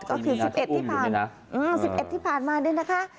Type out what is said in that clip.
ก็คือสิบเอ็ดที่ผ่านอืมสิบเอ็ดที่ผ่านมานี่นะคะ